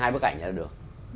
hai bức ảnh là được